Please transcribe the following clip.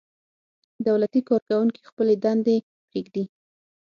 دولتي کارکوونکي خپلې دندې پرېږدي.